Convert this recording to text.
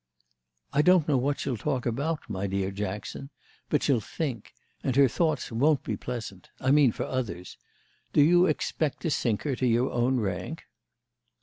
"I don't know what she'll talk about, my dear Jackson, but she'll think; and her thoughts won't be pleasant—I mean for others. Do you expect to sink her to your own rank?"